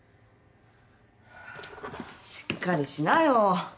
しっかりしなよ。